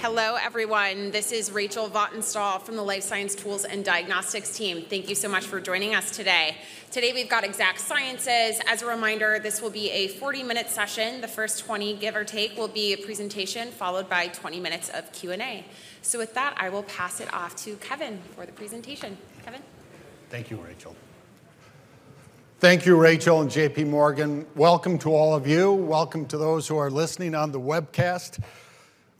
Hello, everyone. This is Rachel Vatnsdal from the Life Science Tools and Diagnostics team. Thank you so much for joining us today. Today we've got Exact Sciences. As a reminder, this will be a 40-minute session. The first 20, give or take, will be a presentation, followed by 20 minutes of Q&A. So with that, I will pass it off to Kevin for the presentation. Kevin? Thank you, Rachel. Thank you, Rachel and JPMorgan. Welcome to all of you. Welcome to those who are listening on the webcast.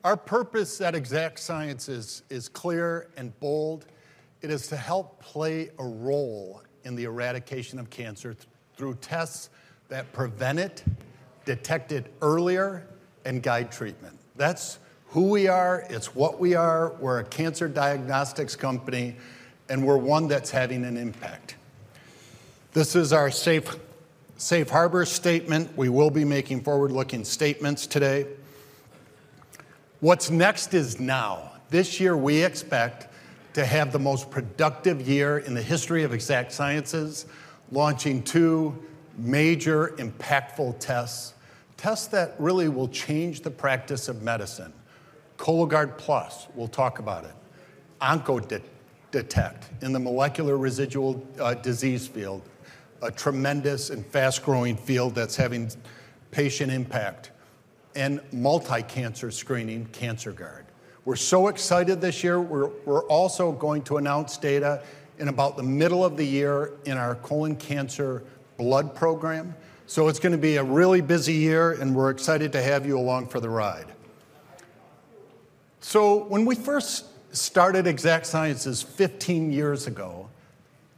Our purpose at Exact Sciences is clear and bold. It is to help play a role in the eradication of cancer through tests that prevent it, detect it earlier, and guide treatment. That's who we are. It's what we are. We're a cancer diagnostics company, and we're one that's having an impact. This is our safe harbor statement. We will be making forward-looking statements today. What's next is now. This year, we expect to have the most productive year in the history of Exact Sciences, launching two major, impactful tests. Tests that really will change the practice of medicine. Cologuard Plus, we'll talk about it. OncoDetect in the molecular residual disease field, a tremendous and fast-growing field that's having patient impact, and multi-cancer screening, CancerGuard. We're so excited this year. We're also going to announce data in about the middle of the year in our colon cancer blood program. So it's going to be a really busy year, and we're excited to have you along for the ride. So when we first started Exact Sciences 15 years ago,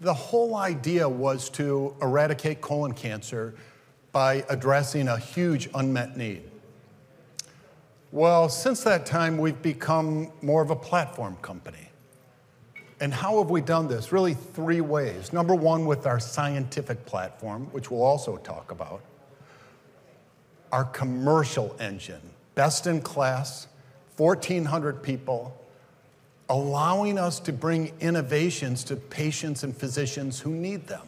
the whole idea was to eradicate colon cancer by addressing a huge unmet need. Well, since that time, we've become more of a platform company. And how have we done this? Really, three ways. Number one, with our scientific platform, which we'll also talk about. Our commercial engine, best in class, 1,400 people, allowing us to bring innovations to patients and physicians who need them.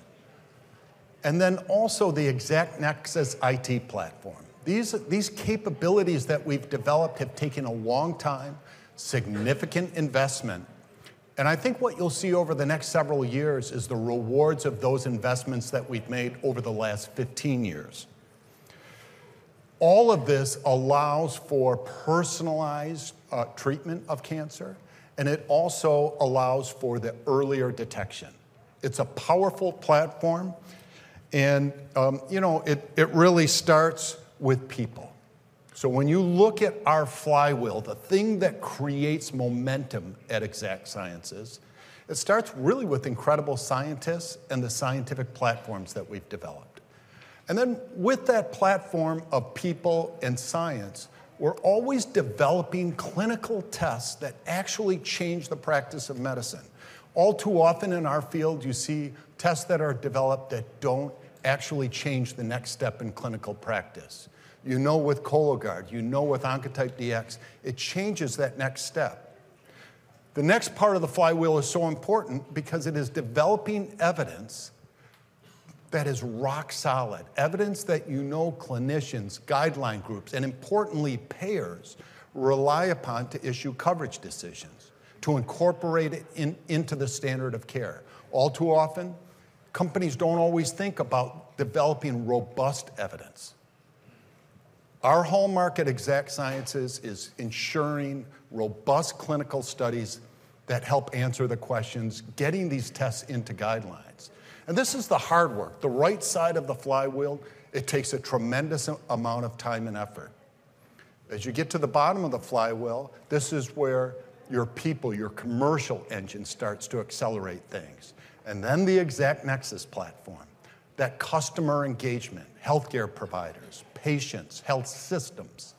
And then also the Exact Nexus IT platform. These capabilities that we've developed have taken a long time, significant investment. And I think what you'll see over the next several years is the rewards of those investments that we've made over the last 15 years. All of this allows for personalized treatment of cancer, and it also allows for the earlier detection. It's a powerful platform, and it really starts with people. So when you look at our flywheel, the thing that creates momentum at Exact Sciences, it starts really with incredible scientists and the scientific platforms that we've developed. And then with that platform of people and science, we're always developing clinical tests that actually change the practice of medicine. All too often in our field, you see tests that are developed that don't actually change the next step in clinical practice. You know with Cologuard, you know with Oncotype DX, it changes that next step. The next part of the flywheel is so important because it is developing evidence that is rock solid, evidence that you know clinicians, guideline groups, and importantly, payers rely upon to issue coverage decisions, to incorporate it into the standard of care. All too often, companies don't always think about developing robust evidence. Our hallmark at Exact Sciences is ensuring robust clinical studies that help answer the questions, getting these tests into guidelines. And this is the hard work. The right side of the flywheel, it takes a tremendous amount of time and effort. As you get to the bottom of the flywheel, this is where your people, your commercial engine starts to accelerate things. And then the Exact Nexus platform, that customer engagement, healthcare providers, patients, health systems.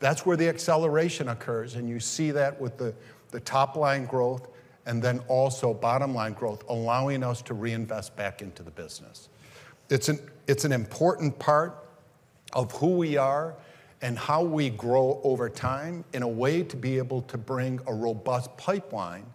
That's where the acceleration occurs, and you see that with the top-line growth and then also bottom-line growth, allowing us to reinvest back into the business. It's an important part of who we are and how we grow over time in a way to be able to bring a robust pipeline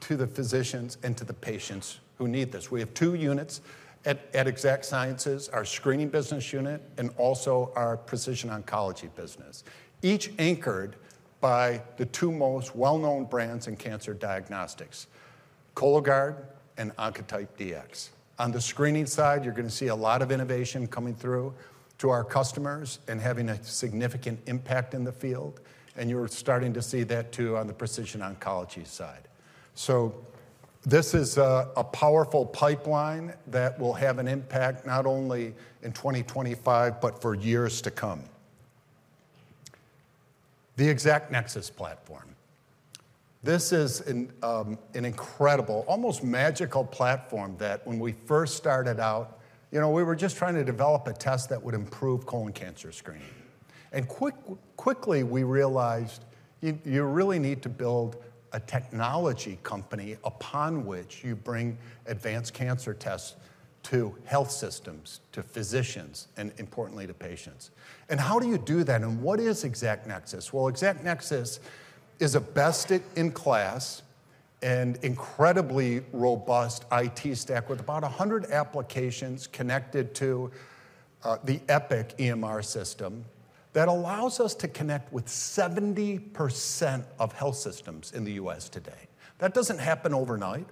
to the physicians and to the patients who need this. We have two units at Exact Sciences, our Screening Business Unit and also our Precision Oncology Business, each anchored by the two most well-known brands in cancer diagnostics, Cologuard and Oncotype DX. On the Screening side, you're going to see a lot of innovation coming through to our customers and having a significant impact in the field. And you're starting to see that too on the precision oncology side. So this is a powerful pipeline that will have an impact not only in 2025, but for years to come. The Exact Nexus platform. This is an incredible, almost magical platform that when we first started out, we were just trying to develop a test that would improve colon cancer screening. And quickly, we realized you really need to build a technology company upon which you bring advanced cancer tests to health systems, to physicians, and importantly, to patients. And how do you do that? And what is Exact Nexus? Well, Exact Nexus is a best in class and incredibly robust IT stack with about 100 applications connected to the Epic EMR system that allows us to connect with 70% of health systems in the U.S. today. That doesn't happen overnight.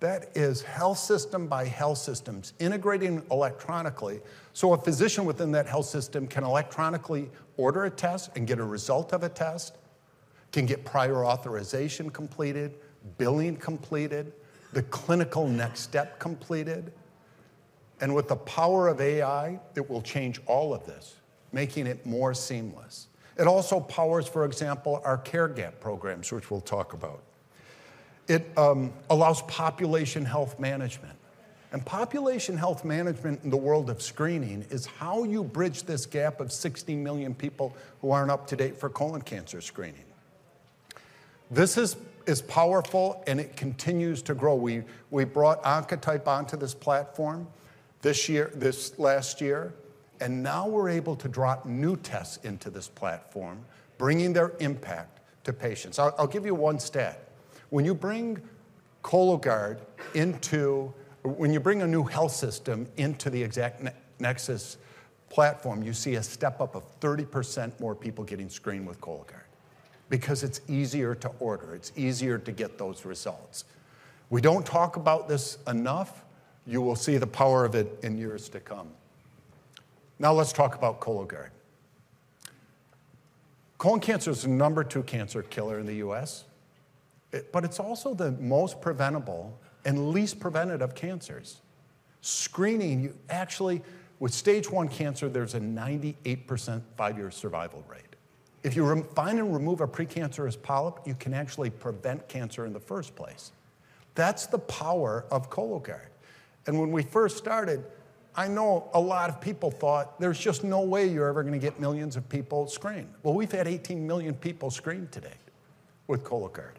That is health system by health systems integrating electronically. So a physician within that health system can electronically order a test and get a result of a test, can get prior authorization completed, billing completed, the clinical next step completed. With the power of AI, it will change all of this, making it more seamless. It also powers, for example, our care gap programs, which we'll talk about. It allows population health management. Population health management in the world of screening is how you bridge this gap of 60 million people who aren't up to date for colon cancer screening. This is powerful, and it continues to grow. We brought Oncotype onto this platform this year, this last year, and now we're able to drop new tests into this platform, bringing their impact to patients. I'll give you one stat. When you bring Cologuard into, when you bring a new health system into the Exact Nexus platform, you see a step up of 30% more people getting screened with Cologuard because it's easier to order. It's easier to get those results. We don't talk about this enough. You will see the power of it in years to come. Now let's talk about Cologuard. Colon cancer is the number two cancer killer in the U.S., but it's also the most preventable and least preventative of cancers. Screening, actually, with stage one cancer, there's a 98% five-year survival rate. If you find and remove a precancerous polyp, you can actually prevent cancer in the first place. That's the power of Cologuard, and when we first started, I know a lot of people thought there's just no way you're ever going to get millions of people screened. We've had 18 million people screened today with Cologuard.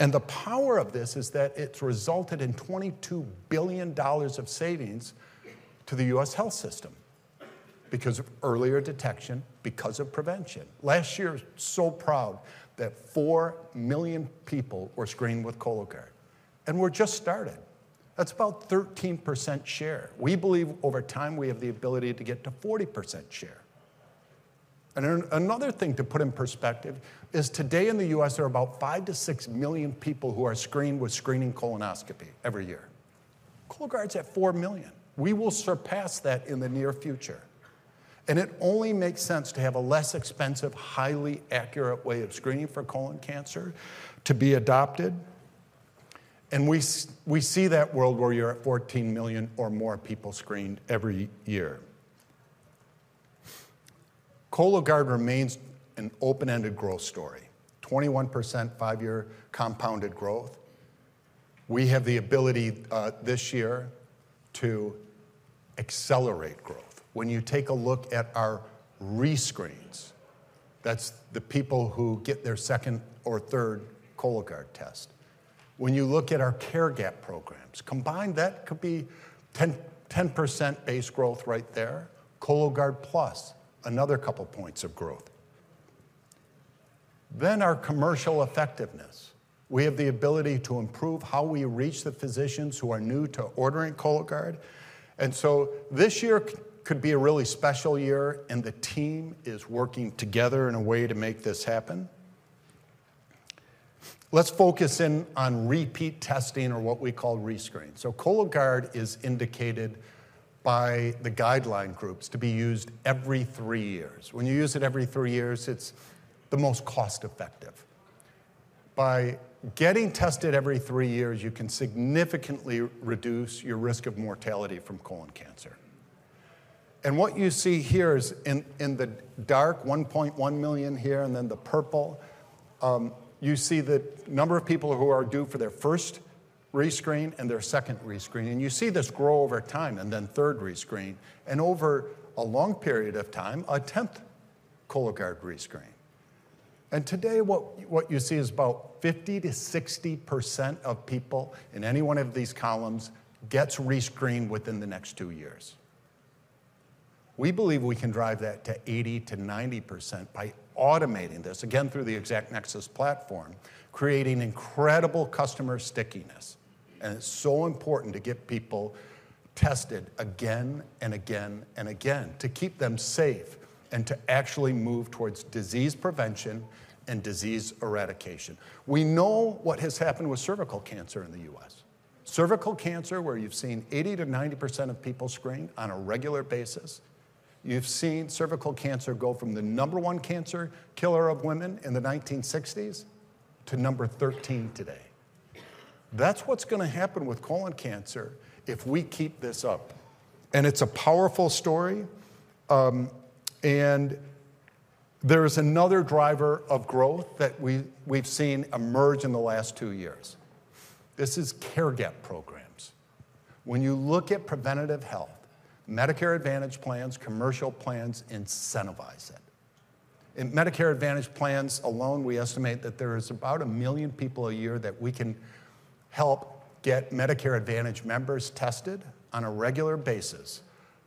And the power of this is that it's resulted in $22 billion of savings to the U.S. health system because of earlier detection, because of prevention. Last year, so proud that 4 million people were screened with Cologuard. And we're just started. That's about 13% share. We believe over time we have the ability to get to 40% share. And another thing to put in perspective is today in the U.S., there are about 5-6 million people who are screened with screening colonoscopy every year. Cologuard's at 4 million. We will surpass that in the near future. And it only makes sense to have a less expensive, highly accurate way of screening for colon cancer to be adopted. And we see that world where you're at 14 million or more people screened every year. Cologuard remains an open-ended growth story, 21% five-year compounded growth. We have the ability this year to accelerate growth. When you take a look at our rescreens, that's the people who get their second or third Cologuard test. When you look at our care gap programs, combined, that could be 10% base growth right there. Cologuard Plus, another couple points of growth. Then our commercial effectiveness. We have the ability to improve how we reach the physicians who are new to ordering Cologuard. And so this year could be a really special year, and the team is working together in a way to make this happen. Let's focus in on repeat testing or what we call rescreens. Cologuard is indicated by the guideline groups to be used every three years. When you use it every three years, it's the most cost-effective. By getting tested every three years, you can significantly reduce your risk of mortality from colon cancer. And what you see here is in the dark, 1.1 million here, and then the purple, you see the number of people who are due for their first rescreen and their second rescreen. And you see this grow over time, and then third rescreen. And over a long period of time, a tenth Cologuard rescreen. And today, what you see is about 50%-60% of people in any one of these columns gets rescreened within the next two years. We believe we can drive that to 80%-90% by automating this, again, through the Exact Nexus platform, creating incredible customer stickiness. And it's so important to get people tested again and again and again to keep them safe and to actually move towards disease prevention and disease eradication. We know what has happened with cervical cancer in the U.S. Cervical cancer, where you've seen 80%-90% of people screened on a regular basis, you've seen cervical cancer go from the number one cancer killer of women in the 1960s to number 13 today. That's what's going to happen with colon cancer if we keep this up. And it's a powerful story. And there is another driver of growth that we've seen emerge in the last two years. This is care gap programs. When you look at preventative health, Medicare Advantage plans, commercial plans incentivize it. In Medicare Advantage plans alone, we estimate that there is about a million people a year that we can help get Medicare Advantage members tested on a regular basis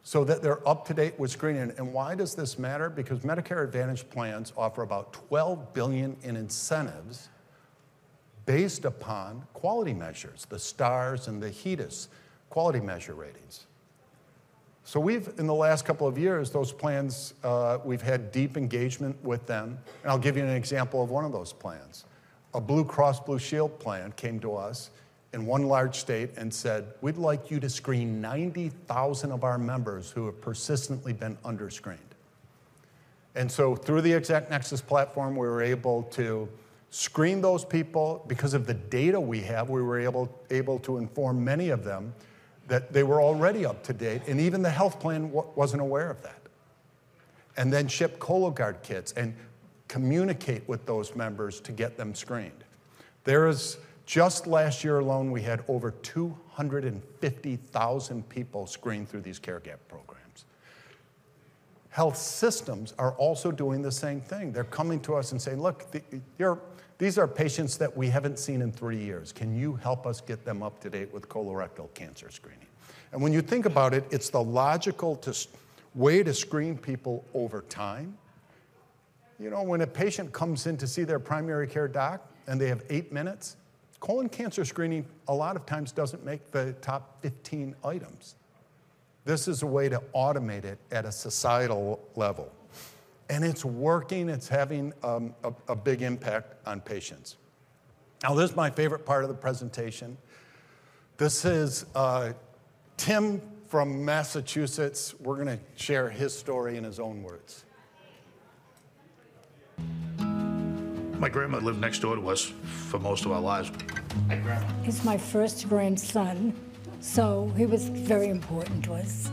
so that they're up to date with screening. And why does this matter? Because Medicare Advantage plans offer about $12 billion in incentives based upon quality measures, the Stars and the HEDIS quality measure ratings. So in the last couple of years, those plans, we've had deep engagement with them. And I'll give you an example of one of those plans. A Blue Cross Blue Shield plan came to us in one large state and said, "We'd like you to screen 90,000 of our members who have persistently been underscreened." And so through the Exact Nexus platform, we were able to screen those people. Because of the data we have, we were able to inform many of them that they were already up to date, and even the health plan wasn't aware of that. And then ship Cologuard kits and communicate with those members to get them screened. Just last year alone, we had over 250,000 people screened through these care gap programs. Health systems are also doing the same thing. They're coming to us and saying, "Look, these are patients that we haven't seen in three years. Can you help us get them up to date with colorectal cancer screening?" And when you think about it, it's the logical way to screen people over time. You know when a patient comes in to see their primary care doc and they have eight minutes, colon cancer screening a lot of times doesn't make the top 15 items. This is a way to automate it at a societal level. And it's working. It's having a big impact on patients. Now, this is my favorite part of the presentation. This is Tim from Massachusetts. We're going to share his story in his own words. My grandma lived next door to us for most of our lives. He's my first grandson, so he was very important to us.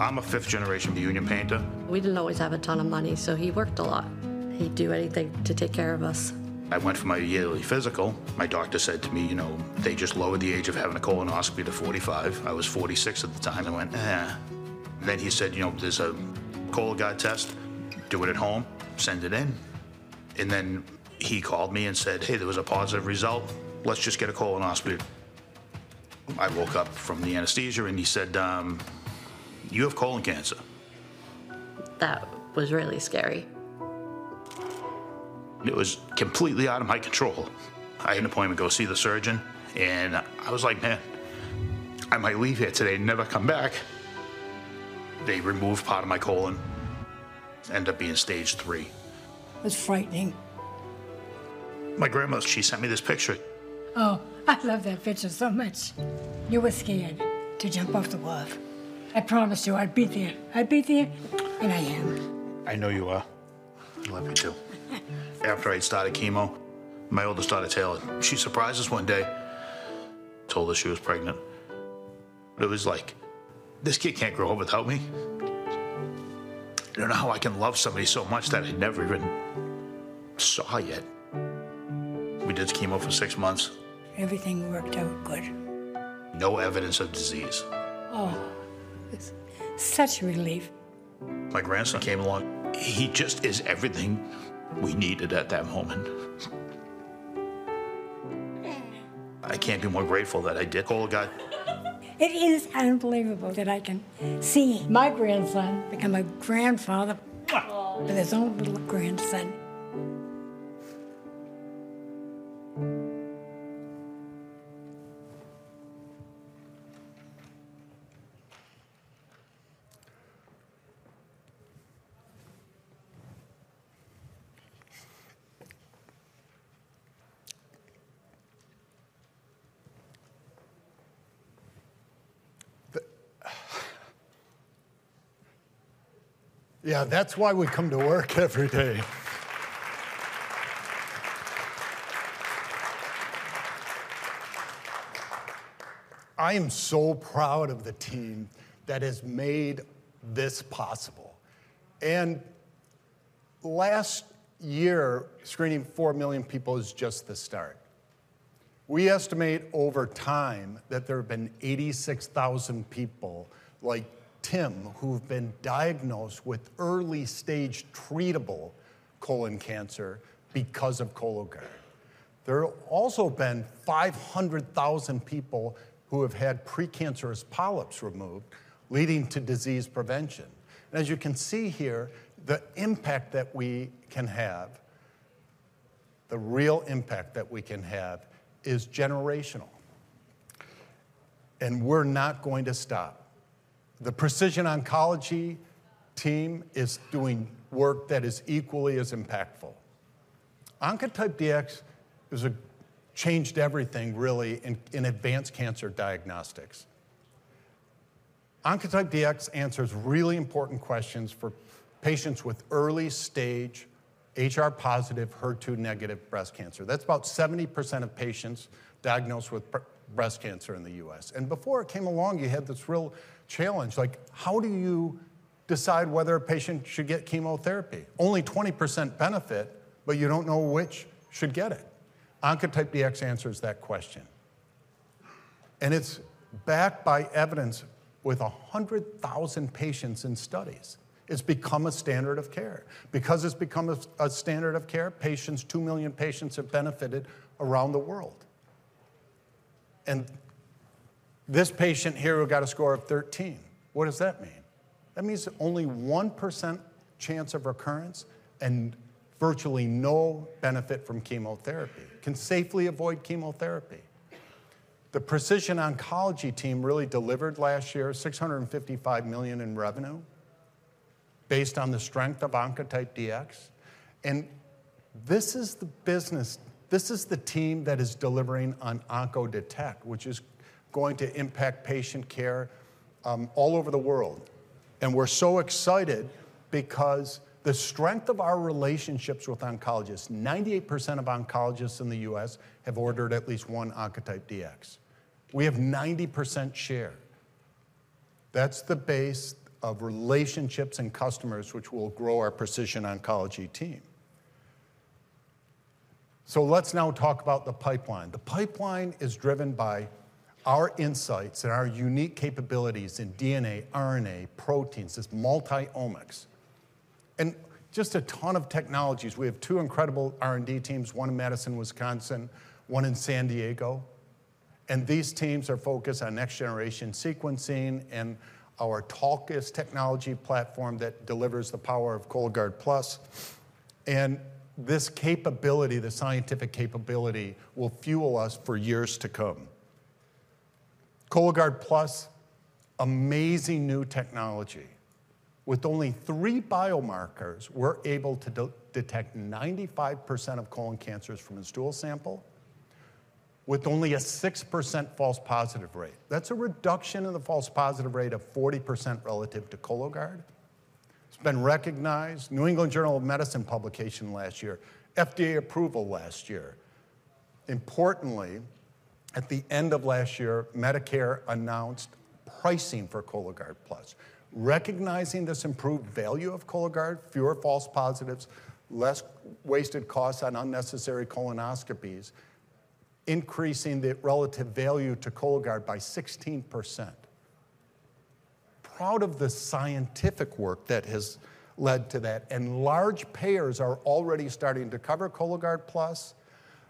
I'm a fifth generation union painter. We didn't always have a ton of money, so he worked a lot. He'd do anything to take care of us. I went for my yearly physical. My doctor said to me, "They just lowered the age of having a colonoscopy to 45." I was 46 at the time. I went. Then he said, "There's a Cologuard test. Do it at home. Send it in." And then he called me and said, "Hey, there was a positive result. Let's just get a colonoscopy." I woke up from the anesthesia and he said, "You have colon cancer." That was really scary. It was completely out of my control. I had an appointment to go see the surgeon, and I was like, "Man, I might leave here today and never come back." They removed part of my colon. It ended up being stage three. It was frightening. My grandma, she sent me this picture. Oh, I love that picture so much. You were scared to jump off the wall. I promised you I'd be there. I'd be there, and I am. I know you are. I love you too. After I'd started chemo, my oldest daughter, Taylor, she surprised us one day, told us she was pregnant. It was like, "This kid can't grow up without me." I don't know how I can love somebody so much that I never even saw yet. We did chemo for six months. Everything worked out good. No evidence of disease. Oh, it's such a relief. My grandson came along. He just is everything we needed at that moment. I can't be more grateful that I did Cologuard. It is unbelievable that I can see my grandson become a grandfather with his own little grandson. Yeah, that's why we come to work every day. I am so proud of the team that has made this possible. And last year, screening 4 million people is just the start. We estimate over time that there have been 86,000 people like Tim who've been diagnosed with early stage treatable colon cancer because of Cologuard. There have also been 500,000 people who have had precancerous polyps removed, leading to disease prevention. And as you can see here, the impact that we can have, the real impact that we can have is generational. And we're not going to stop. The precision oncology team is doing work that is equally as impactful. Oncotype DX has changed everything, really, in advanced cancer diagnostics. Oncotype DX answers really important questions for patients with early stage HR-positive, HER2-negative breast cancer. That's about 70% of patients diagnosed with breast cancer in the U.S. And before it came along, you had this real challenge, like, how do you decide whether a patient should get chemotherapy? Only 20% benefit, but you don't know which should get it. Oncotype DX answers that question. And it's backed by evidence with 100,000 patients in studies. It's become a standard of care. Because it's become a standard of care, patients, 2 million patients have benefited around the world. And this patient here who got a score of 13, what does that mean? That means only 1% chance of recurrence and virtually no benefit from chemotherapy. Can safely avoid chemotherapy. The precision oncology team really delivered last year, $655 million in revenue based on the strength of Oncotype DX. And this is the business. This is the team that is delivering on OncoDetect, which is going to impact patient care all over the world. And we're so excited because the strength of our relationships with oncologists, 98% of oncologists in the U.S. have ordered at least one Oncotype DX. We have 90% share. That's the base of relationships and customers, which will grow our precision oncology team. So let's now talk about the pipeline. The pipeline is driven by our insights and our unique capabilities in DNA, RNA, proteins, this multi-omics. And just a ton of technologies. We have two incredible R&D teams, one in Madison, Wisconsin, one in San Diego. These teams are focused on next-generation sequencing and our TARDIS technology platform that delivers the power of Cologuard Plus. This capability, the scientific capability, will fuel us for years to come. Cologuard Plus, amazing new technology. With only three biomarkers, we're able to detect 95% of colon cancers from a stool sample with only a 6% false positive rate. That's a reduction in the false positive rate of 40% relative to Cologuard. It's been recognized, New England Journal of Medicine publication last year, FDA approval last year. Importantly, at the end of last year, Medicare announced pricing for Cologuard Plus, recognizing this improved value of Cologuard, fewer false positives, less wasted costs on unnecessary colonoscopies, increasing the relative value to Cologuard by 16%. Proud of the scientific work that has led to that. Large payers are already starting to cover Cologuard Plus.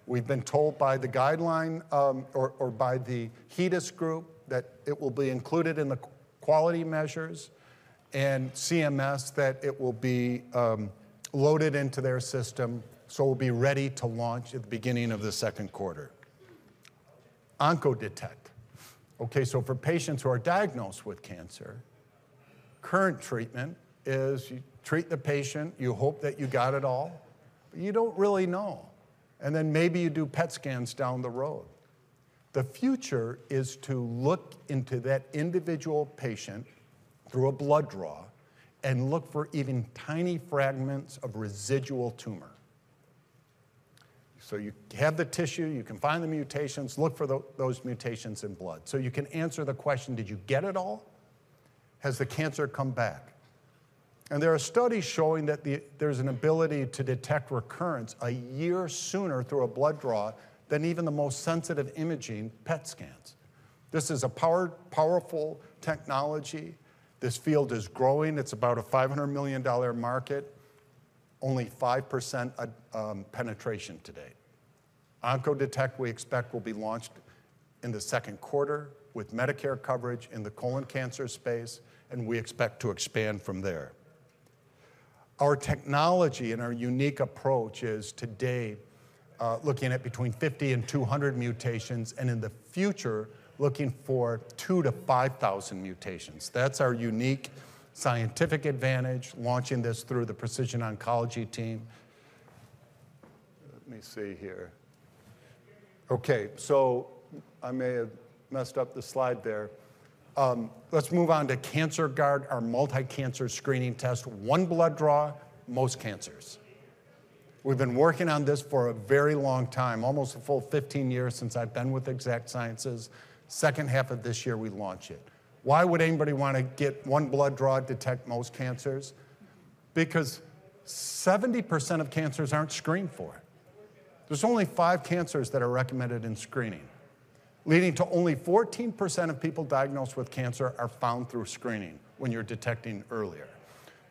We've been told by the guideline or by the HEDIS group that it will be included in the quality measures and CMS that it will be loaded into their system, so we'll be ready to launch at the beginning of the second quarter. OncoDetect. Okay, so for patients who are diagnosed with cancer, current treatment is you treat the patient, you hope that you got it all, but you don't really know, and then maybe you do PET scans down the road. The future is to look into that individual patient through a blood draw and look for even tiny fragments of residual tumor. So you have the tissue, you can find the mutations, look for those mutations in blood. So you can answer the question, did you get it all? Has the cancer come back? There are studies showing that there's an ability to detect recurrence a year sooner through a blood draw than even the most sensitive imaging PET scans. This is a powerful technology. This field is growing. It's about a $500 million market, only 5% penetration today. OncoDetect, we expect, will be launched in the second quarter with Medicare coverage in the colon cancer space, and we expect to expand from there. Our technology and our unique approach is today looking at between 50 and 200 mutations, and in the future, looking for 2-5,000 mutations. That's our unique scientific advantage, launching this through the precision oncology team. Let me see here. Okay, so I may have messed up the slide there. Let's move on to CancerGuard, our multi-cancer screening test, one blood draw, most cancers. We've been working on this for a very long time, almost a full 15 years since I've been with Exact Sciences. Second half of this year, we launched it. Why would anybody want to get one blood draw to detect most cancers? Because 70% of cancers aren't screened for. There's only five cancers that are recommended in screening, leading to only 14% of people diagnosed with cancer being found through screening when you're detecting earlier.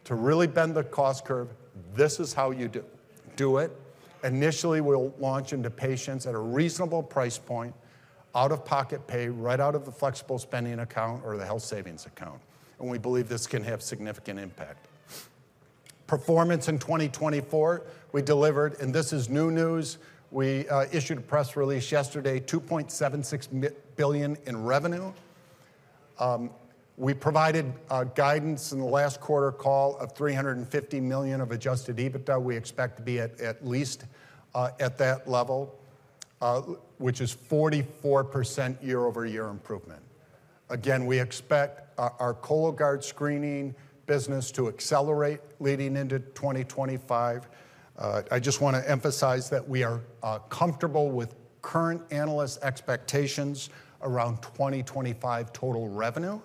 To really bend the cost curve, this is how you do it. Initially, we'll launch into patients at a reasonable price point, out of pocket pay, right out of the flexible spending account or the health savings account, and we believe this can have significant impact. Performance in 2024, we delivered, and this is new news. We issued a press release yesterday, $2.76 billion in revenue. We provided guidance in the last quarter call of $350 million of adjusted EBITDA. We expect to be at least at that level, which is 44% year-over-year improvement. Again, we expect our Cologuard screening business to accelerate leading into 2025. I just want to emphasize that we are comfortable with current analysts' expectations around 2025 total revenue.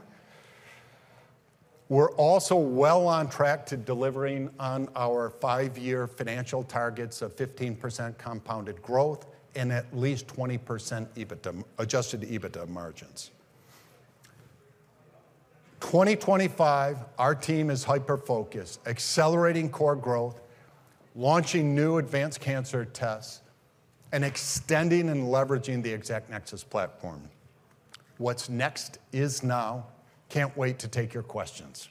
We're also well on track to delivering on our five-year financial targets of 15% compounded growth and at least 20% adjusted EBITDA margins. 2025, our team is hyper-focused, accelerating core growth, launching new advanced cancer tests, and extending and leveraging the Exact Nexus platform. What's next is now. Can't wait to take your questions.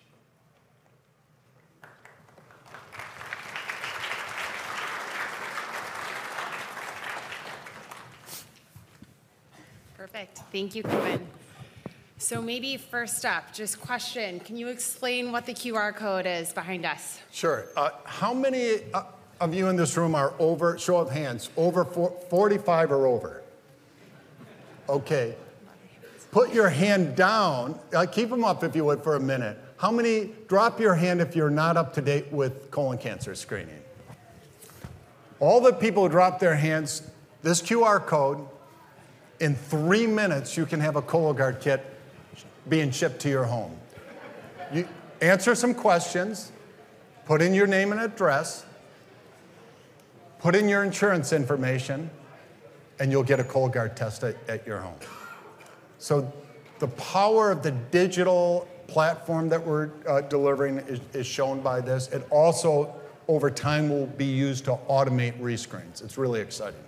Perfect. Thank you, Kevin. So maybe first up, just question. Can you explain what the QR code is behind us? Sure. How many of you in this room are over? Show of hands. Over 45 or over. Okay. Put your hand down. Keep them up, if you would, for a minute. How many? Drop your hand if you're not up to date with colon cancer screening. All the people who dropped their hands, this QR code, in three minutes, you can have a Cologuard kit being shipped to your home. Answer some questions, put in your name and address, put in your insurance information, and you'll get a Cologuard test at your home. So the power of the digital platform that we're delivering is shown by this. It also, over time, will be used to automate rescreens. It's really exciting.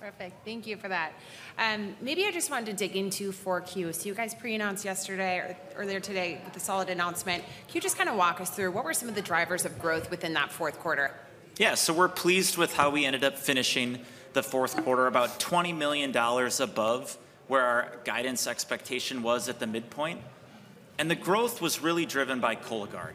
Perfect. Thank you for that. And maybe I just wanted to dig into 4Q. So you guys pre-announced yesterday or earlier today with the solid announcement. Can you just kind of walk us through what were some of the drivers of growth within that fourth quarter? Yeah, so we're pleased with how we ended up finishing the fourth quarter, about $20 million above where our guidance expectation was at the midpoint. And the growth was really driven by Cologuard.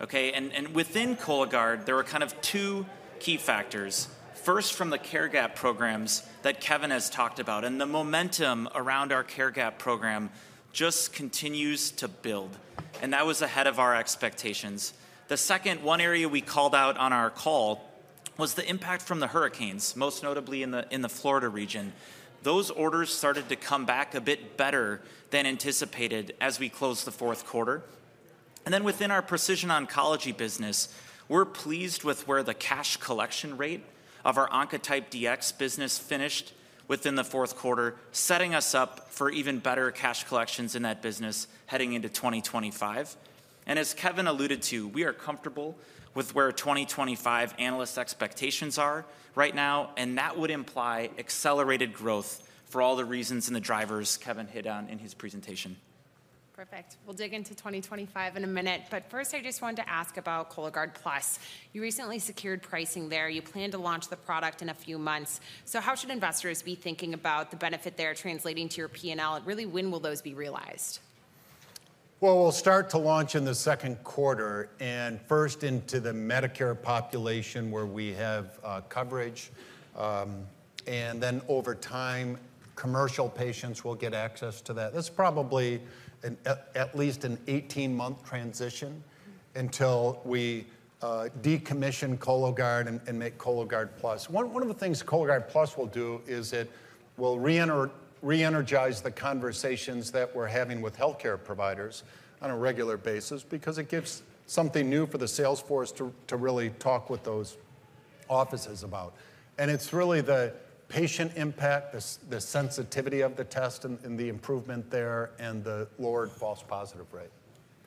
Okay, and within Cologuard, there were kind of two key factors. First, from the care gap programs that Kevin has talked about, and the momentum around our care gap program just continues to build. And that was ahead of our expectations. The second, one area we called out on our call was the impact from the hurricanes, most notably in the Florida region. Those orders started to come back a bit better than anticipated as we closed the fourth quarter. And then within our precision oncology business, we're pleased with where the cash collection rate of our Oncotype DX business finished within the fourth quarter, setting us up for even better cash collections in that business heading into 2025. And as Kevin alluded to, we are comfortable with where 2025 analysts' expectations are right now, and that would imply accelerated growth for all the reasons and the drivers Kevin hit on in his presentation. Perfect. We'll dig into 2025 in a minute, but first, I just wanted to ask about Cologuard Plus. You recently secured pricing there. You plan to launch the product in a few months. So how should investors be thinking about the benefit they're translating to your P&L? And really, when will those be realized? Well, we'll start to launch in the second quarter and first into the Medicare population where we have coverage. And then over time, commercial patients will get access to that. That's probably at least an 18-month transition until we decommission Cologuard and make Cologuard Plus. One of the things Cologuard Plus will do is it will re-energize the conversations that we're having with healthcare providers on a regular basis because it gives something new for the salesforce to really talk with those offices about, and it's really the patient impact, the sensitivity of the test, and the improvement there and the lowered false positive rate.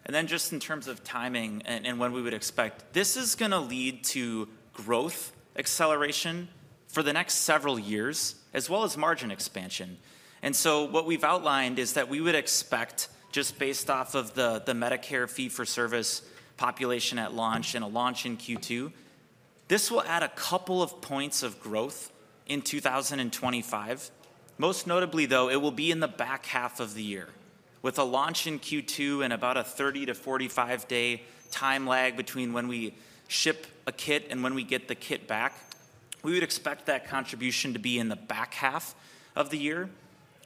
And then just in terms of timing and when we would expect, this is going to lead to growth acceleration for the next several years, as well as margin expansion, and so what we've outlined is that we would expect, just based off of the Medicare fee-for-service population at launch and a launch in Q2, this will add a couple of points of growth in 2025. Most notably, though, it will be in the back half of the year with a launch in Q2 and about a 30-45-day time lag between when we ship a kit and when we get the kit back. We would expect that contribution to be in the back half of the year.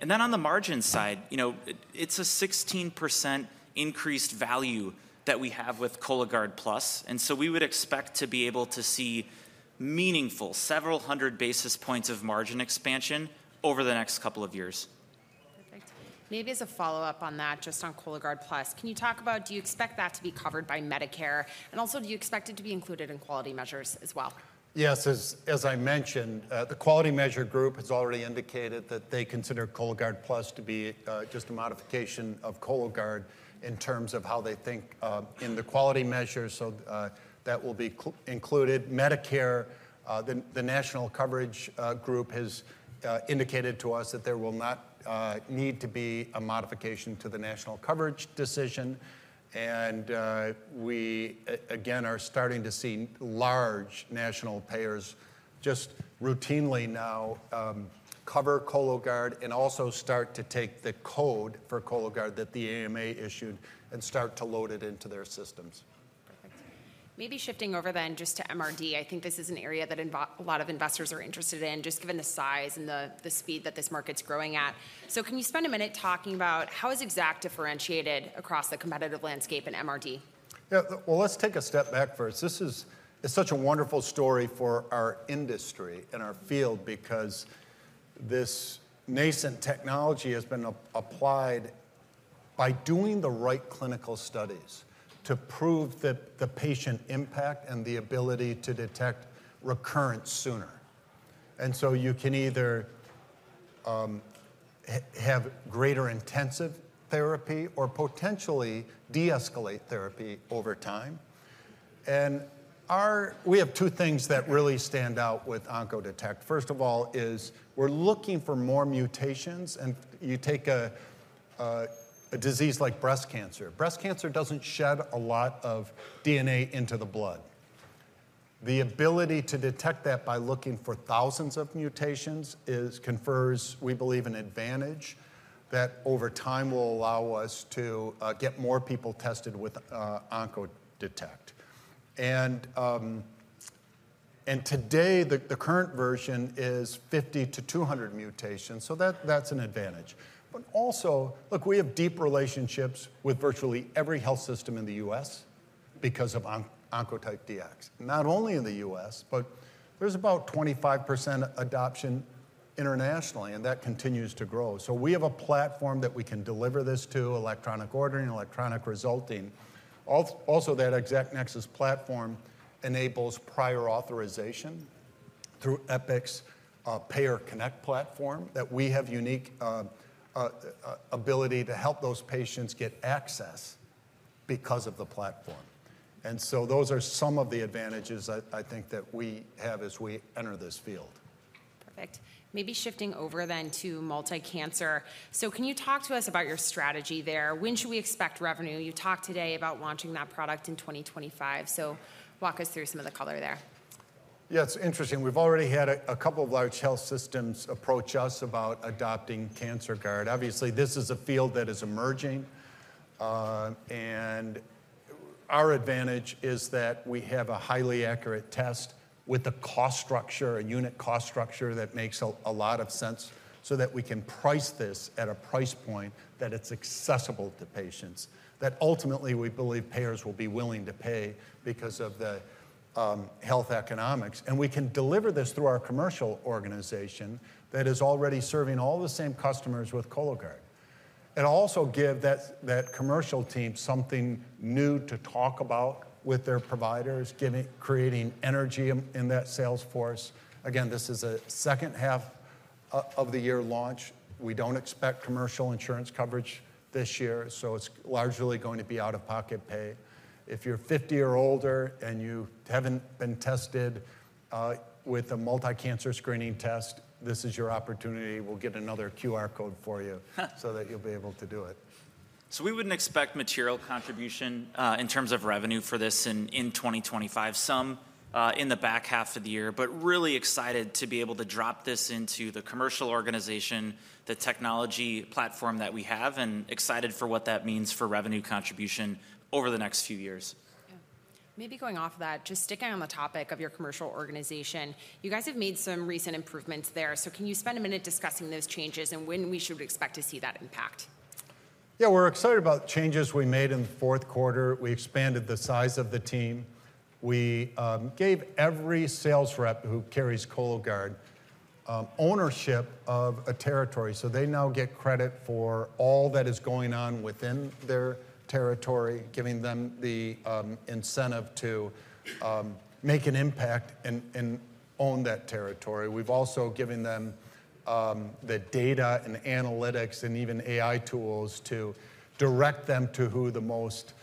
And then on the margin side, it's a 16% increased value that we have with Cologuard Plus. And so we would expect to be able to see meaningful several hundred basis points of margin expansion over the next couple of years. Perfect. Maybe as a follow-up on that, just on Cologuard Plus, can you talk about, do you expect that to be covered by Medicare? And also, do you expect it to be included in quality measures as well? Yes, as I mentioned, the quality measure group has already indicated that they consider Cologuard Plus to be just a modification of Cologuard in terms of how they think in the quality measures, so that will be included. Medicare, the national coverage group, has indicated to us that there will not need to be a modification to the national coverage decision, and we, again, are starting to see large national payers just routinely now cover Cologuard and also start to take the code for Cologuard that the AMA issued and start to load it into their systems. Perfect. Maybe shifting over then just to MRD. I think this is an area that a lot of investors are interested in, just given the size and the speed that this market's growing at. So can you spend a minute talking about how is Exact differentiated across the competitive landscape in MRD? Yeah, well, let's take a step back first. This is such a wonderful story for our industry and our field because this nascent technology has been applied by doing the right clinical studies to prove that the patient impact and the ability to detect recurrence sooner, and so you can either have greater intensive therapy or potentially de-escalate therapy over time, and we have two things that really stand out with OncoDetect. First of all, we're looking for more mutations, and you take a disease like breast cancer. Breast cancer doesn't shed a lot of DNA into the blood. The ability to detect that by looking for thousands of mutations confers, we believe, an advantage that over time will allow us to get more people tested with OncoDetect, and today, the current version is 50-200 mutations, so that's an advantage. But also, look, we have deep relationships with virtually every health system in the U.S. because of Oncotype DX. Not only in the U.S., but there's about 25% adoption internationally, and that continues to grow. So we have a platform that we can deliver this to, electronic ordering, electronic resulting. Also, that Exact Nexus platform enables prior authorization through Epic's Payer Connect platform that we have unique ability to help those patients get access because of the platform. And so those are some of the advantages I think that we have as we enter this field. Perfect. Maybe shifting over then to multi-cancer. So can you talk to us about your strategy there? When should we expect revenue? You talked today about launching that product in 2025. So walk us through some of the color there. Yeah, it's interesting. We've already had a couple of large health systems approach us about adopting CancerGuard. Obviously, this is a field that is emerging. And our advantage is that we have a highly accurate test with a cost structure, a unit cost structure that makes a lot of sense so that we can price this at a price point that it's accessible to patients that ultimately we believe payers will be willing to pay because of the health economics. And we can deliver this through our commercial organization that is already serving all the same customers with Cologuard. It'll also give that commercial team something new to talk about with their providers, creating energy in that salesforce. Again, this is a second half of the year launch. We don't expect commercial insurance coverage this year, so it's largely going to be out of pocket pay. If you're 50 or older and you haven't been tested with a multi-cancer screening test, this is your opportunity. We'll get another QR code for you so that you'll be able to do it. So we wouldn't expect material contribution in terms of revenue for this in 2025, some in the back half of the year, but really excited to be able to drop this into the commercial organization, the technology platform that we have, and excited for what that means for revenue contribution over the next few years. Maybe going off of that, just sticking on the topic of your commercial organization, you guys have made some recent improvements there. So can you spend a minute discussing those changes and when we should expect to see that impact? Yeah, we're excited about changes we made in the fourth quarter. We expanded the size of the team. We gave every sales rep who carries Cologuard ownership of a territory. So they now get credit for all that is going on within their territory, giving them the incentive to make an impact and own that territory. We've also given them the data and analytics and even AI tools to direct them to who the most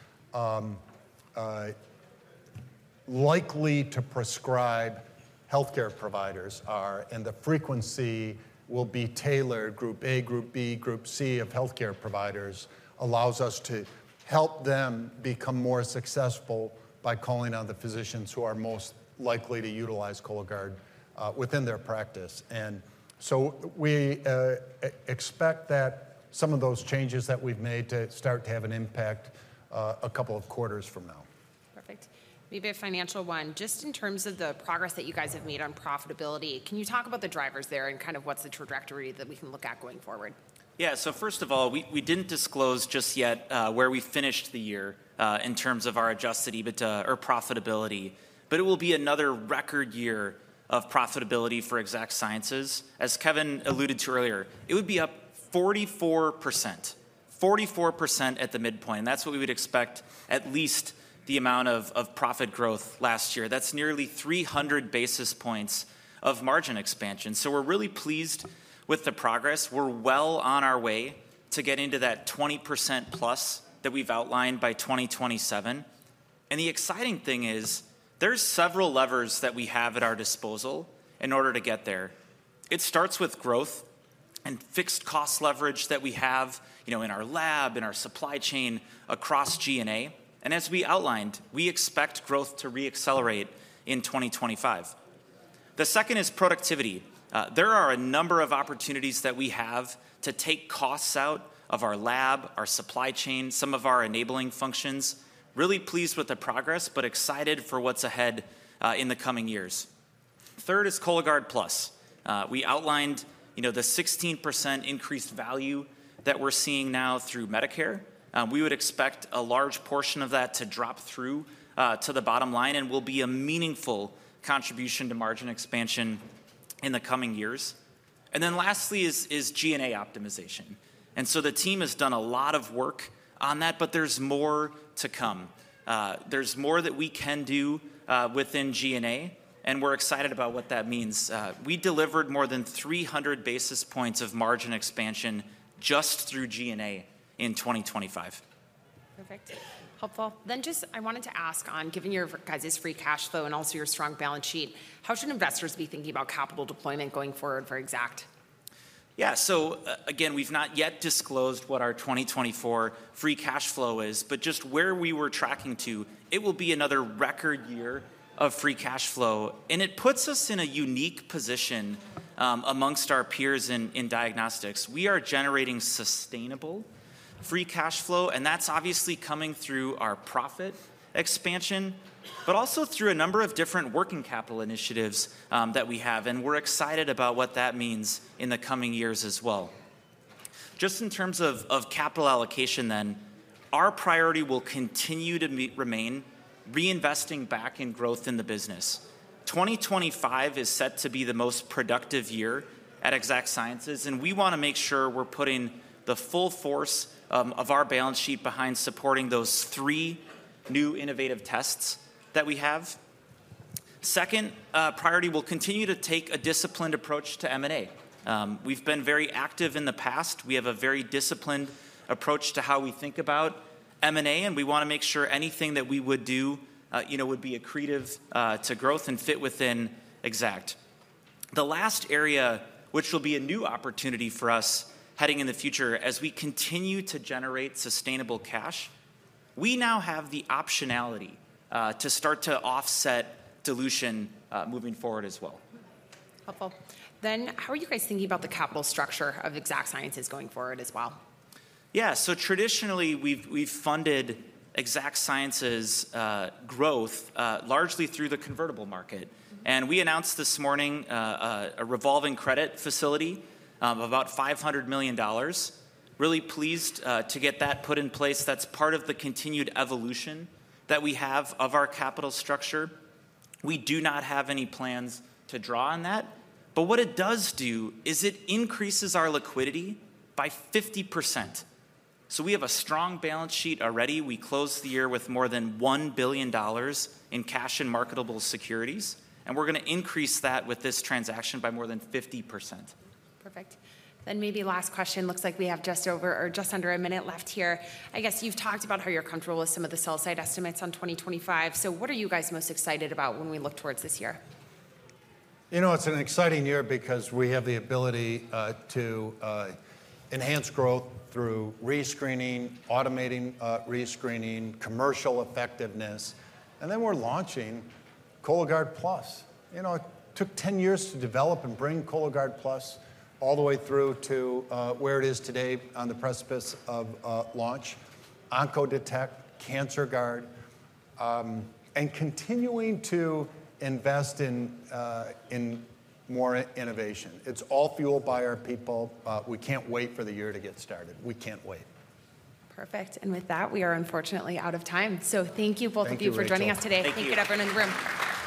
likely to prescribe healthcare providers are. And the frequency will be tailored. Group A, Group B, Group C of healthcare providers allows us to help them become more successful by calling on the physicians who are most likely to utilize Cologuard within their practice. And so we expect that some of those changes that we've made to start to have an impact a couple of quarters from now. Perfect. Maybe a financial one. Just in terms of the progress that you guys have made on profitability, can you talk about the drivers there and kind of what's the trajectory that we can look at going forward? Yeah, so first of all, we didn't disclose just yet where we finished the year in terms of our adjusted EBITDA or profitability, but it will be another record year of profitability for Exact Sciences. As Kevin alluded to earlier, it would be up 44%, 44% at the midpoint. That's what we would expect, at least the amount of profit growth last year. That's nearly 300 basis points of margin expansion. So we're really pleased with the progress. We're well on our way to getting to that 20% plus that we've outlined by 2027, and the exciting thing is there's several levers that we have at our disposal in order to get there. It starts with growth and fixed cost leverage that we have in our lab, in our supply chain across G&A. And as we outlined, we expect growth to re-accelerate in 2025. The second is productivity. There are a number of opportunities that we have to take costs out of our lab, our supply chain, some of our enabling functions. Really pleased with the progress, but excited for what's ahead in the coming years. Third is Cologuard Plus. We outlined the 16% increased value that we're seeing now through Medicare. We would expect a large portion of that to drop through to the bottom line and will be a meaningful contribution to margin expansion in the coming years. And then lastly is G&A optimization. And so the team has done a lot of work on that, but there's more to come. There's more that we can do within G&A, and we're excited about what that means. We delivered more than 300 basis points of margin expansion just through G&A in 2025. Perfect. Helpful. Then just I wanted to ask on, given your guys' free cash flow and also your strong balance sheet, how should investors be thinking about capital deployment going forward for Exact? Yeah, so again, we've not yet disclosed what our 2024 free cash flow is, but just where we were tracking to, it will be another record year of free cash flow. And it puts us in a unique position amongst our peers in diagnostics. We are generating sustainable free cash flow, and that's obviously coming through our profit expansion, but also through a number of different working capital initiatives that we have. And we're excited about what that means in the coming years as well. Just in terms of capital allocation then, our priority will continue to remain reinvesting back in growth in the business. 2025 is set to be the most productive year at Exact Sciences, and we want to make sure we're putting the full force of our balance sheet behind supporting those three new innovative tests that we have. Second priority will continue to take a disciplined approach to M&A. We've been very active in the past. We have a very disciplined approach to how we think about M&A, and we want to make sure anything that we would do would be accretive to growth and fit within Exact. The last area, which will be a new opportunity for us heading in the future as we continue to generate sustainable cash, we now have the optionality to start to offset dilution moving forward as well. Helpful. Then how are you guys thinking about the capital structure of Exact Sciences going forward as well? Yeah, so traditionally we've funded Exact Sciences' growth largely through the convertible market. And we announced this morning a revolving credit facility of about $500 million. Really pleased to get that put in place. That's part of the continued evolution that we have of our capital structure. We do not have any plans to draw on that. But what it does do is it increases our liquidity by 50%. So we have a strong balance sheet already. We closed the year with more than $1 billion in cash and marketable securities, and we're going to increase that with this transaction by more than 50%. Perfect. Then maybe last question. Looks like we have just over or just under a minute left here. I guess you've talked about how you're comfortable with some of the sell-side estimates on 2025. So what are you guys most excited about when we look towards this year? You know, it's an exciting year because we have the ability to enhance growth through rescreening, automating rescreening, commercial effectiveness. And then we're launching Cologuard Plus. You know, it took 10 years to develop and bring Cologuard Plus all the way through to where it is today on the precipice of launch, OncoDetect, CancerGuard, and continuing to invest in more innovation. It's all fueled by our people. We can't wait for the year to get started. We can't wait. Perfect. And with that, we are unfortunately out of time. So thank you both of you for joining us today. Thank you for everyone in the room.